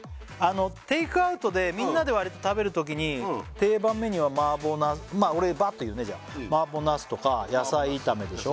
テイクアウトでみんなでわりと食べるときに定番メニューはまあ俺バーっと言うねじゃあ麻婆茄子とか野菜炒めでしょ